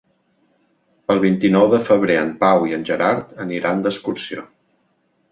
El vint-i-nou de febrer en Pau i en Gerard aniran d'excursió.